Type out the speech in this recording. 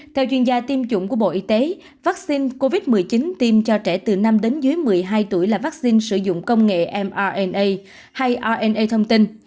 theo chuyên gia tiêm chủng của bộ y tế vaccine covid một mươi chín tiêm cho trẻ từ năm đến dưới một mươi hai tuổi là vaccine sử dụng công nghệ mrna hay ona thông tin